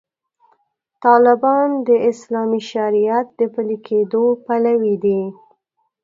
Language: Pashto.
طالبان د اسلامي شریعت د پلي کېدو پلوي دي.